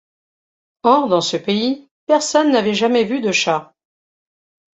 Or dans ce pays, personne n'avait jamais vu de chat.